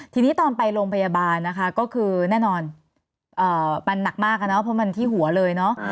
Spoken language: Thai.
ทีนี้ตอนไปโรงพยาบาลนะคะก็คือแน่นอนมันหนักมากอะเนาะเพราะมันที่หัวเลยเนาะ